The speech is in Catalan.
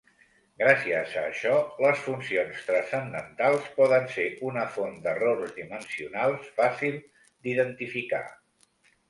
Gràcies a això, les funcions transcendentals poden ser una font d'errors dimensionals fàcil d'identificar.